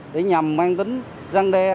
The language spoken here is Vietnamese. để nhằm mang tính răng đe